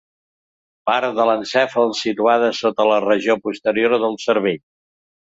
Parts de l'encèfal situades sota la regió posterior del cervell.